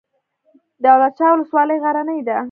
دولت شاه ولسوالۍ غرنۍ ده؟